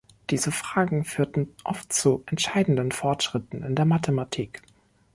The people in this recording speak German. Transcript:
Diese Fragen führten oft zu entscheidenden Fortschritten in der Mathematik.